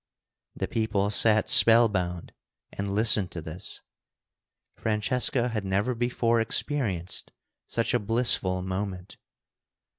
The people sat spellbound and listened to this. Francesca had never before experienced such a blissful moment.